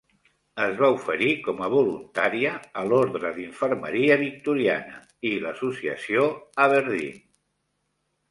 Es va oferir com a voluntària a l'Ordre d'Infermeria victoriana i l'Associació Aberdeen.